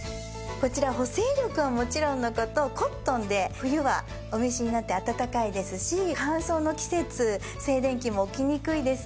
こちら補整力はもちろんの事コットンで冬はお召しになってあたたかいですし乾燥の季節静電気も起きにくいです。